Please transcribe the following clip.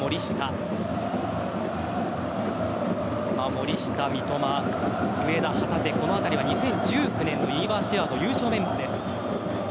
森下、三笘、上田、旗手このあたりは２０１９年のユニバーシアード優勝メンバーです。